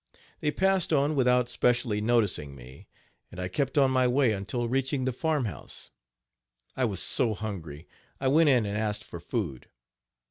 They passed on without specially noticing me, and I kept on my way until reaching the farmhouse. I was so hungry, I went in and asked for food.